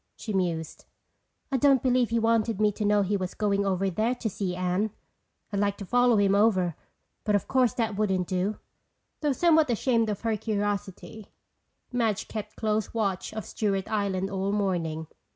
she mused. "I don't believe he wanted me to know he was going over there to see Anne. I'd like to follow him over but of course that wouldn't do." Though somewhat ashamed of her curiosity, Madge kept close watch of Stewart Island all morning.